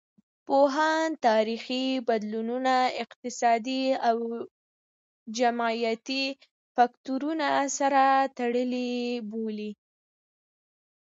پوهان تاریخي بدلونونه اقتصادي او جمعیتي فکتورونو سره تړلي بولي.